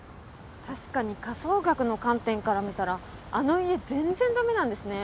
確かに家相学の観点から見たらあの家全然だめなんですね。